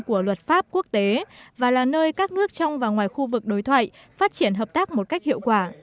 của luật pháp quốc tế và là nơi các nước trong và ngoài khu vực đối thoại phát triển hợp tác một cách hiệu quả